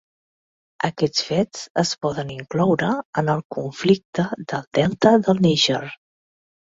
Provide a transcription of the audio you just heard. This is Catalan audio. Aquests fets es poden incloure en el conflicte del delta del Níger.